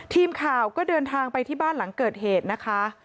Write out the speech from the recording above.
ทีมข่าวก็เดินทางไปที่บ้านหลังเกิดเหตุนะคะ